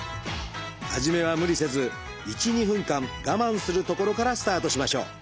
初めは無理せず１２分間我慢するところからスタートしましょう。